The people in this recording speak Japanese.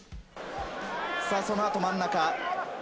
そのあと真ん中。